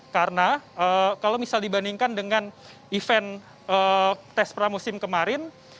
karena kalau misal dibandingkan dengan event tes pramusim kemarin